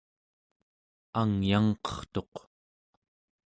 angyangqertuq